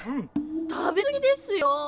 食べすぎですよ。